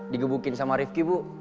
digebukin sama rifki bu